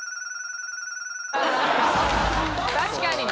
確かに。